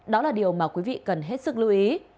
đó là điều mà quý vị cần hết sức lưu ý